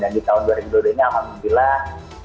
dan di tahun dua ribu dua puluh ini alhamdulillah